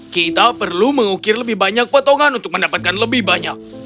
kita perlu mengukir lebih banyak potongan untuk mendapatkan lebih banyak